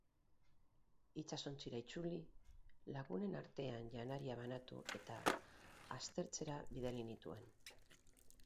Itsasontzira itzuli, lagunen artean janaria banatu, eta aztertzera bidali nituen.